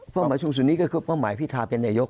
หมายสูงสุดนี้ก็คือเป้าหมายพิทาเป็นนายก